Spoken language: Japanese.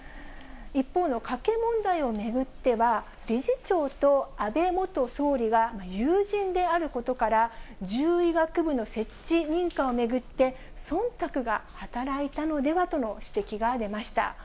一方の加計問題を巡っては、理事長と安倍元総理が友人であることから、獣医学部の設置認可を巡って、そんたくが働いたのではとの指摘が出ました。